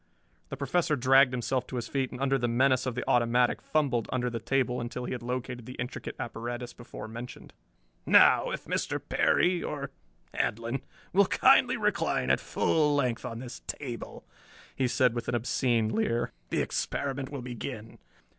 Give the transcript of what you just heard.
The Professor dragged himself to his feet and under the menace of the automatic fumbled under the table until he had located the intricate apparatus before mentioned. "Now if Mr. Perry or Handlon will kindly recline at full length on this table," he said with an obscene leer, "the experiment will begin."